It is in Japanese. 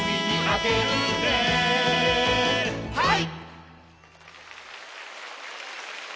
はい！